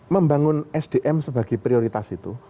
membangun sdm sebagai prioritas itu